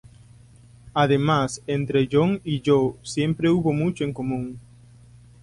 Además entre John y yo siempre hubo mucho en común.